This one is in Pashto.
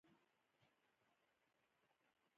لرغونو اثار په چا پورې اړه لري.